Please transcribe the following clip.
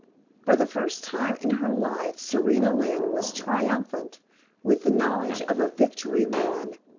For the first time in her life Serena Lynne was triumphant with the knowledge of a victory won.